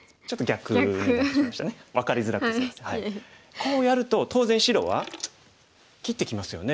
こうやると当然白は切ってきますよね。